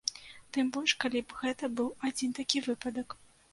Тым больш калі б гэта быў адзін такі выпадак.